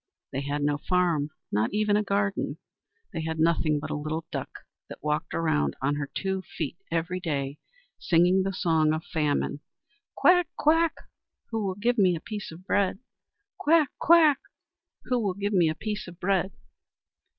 They had no farm, not even a garden. They had nothing but a little Duck that walked around on her two feet every day singing the song of famine. "Quack! quack! Who will give me a piece of bread? Quack! quack! Who will give me a piece of bread?"